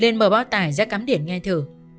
lên mở bao tài ra cắm điện nghe thử